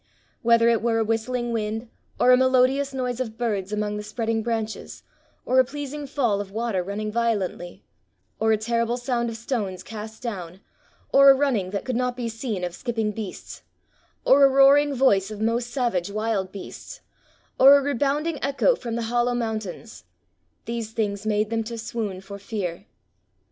"Whether it were a whistling wind, or a melodious noise of birds among the spreading branches, or a pleasing fall of water running violently, "Or a terrible sound of stones cast down, or a running that could not be seen of skipping beasts, or a roaring voice of most savage wild beasts, or a rebounding echo from the hollow mountains; these things made them to swoon for fear.